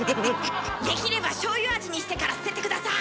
できればしょうゆ味にしてから捨てて下さい。